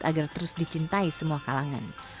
agar terus dicintai semua kalangan